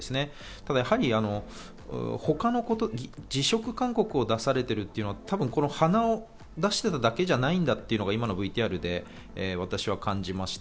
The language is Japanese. ただ、やはり辞職勧告を出されているというのは鼻を出していただけじゃないんだというのが今のＶＴＲで私は感じました。